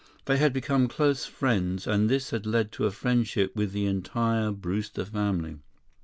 They had become close friends, and this had led to a friendship with the entire Brewster family.